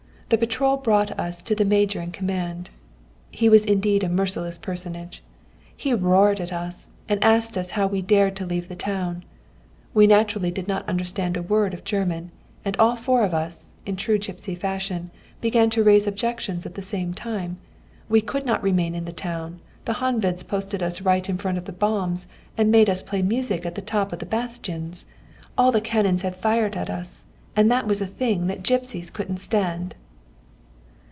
The patrol brought us to the major in command. He was indeed a merciless personage. He roared at us, and asked us how we dared to leave the town. We naturally did not understand a word of German, and all four of us, in true gipsy fashion, began to raise objections at the same time: we could not remain in the town, the Honveds posted us right in front of the bombs, and made us play music at the very top of the bastions; all the cannons had fired at us, and that was a thing that gipsies couldn't stand.